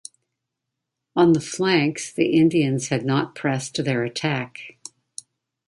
On the flanks, the Indians had not pressed their attack.